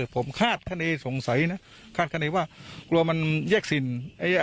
ผมคาดขนาดสงสัยน่ะคาดขนาดว่ากลัวมันแยกสินเอ่อ